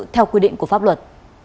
theo quy định của pháp luật